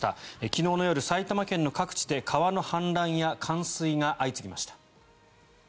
昨日の夜、埼玉県の各地で川の氾濫や冠水が相次ぎました。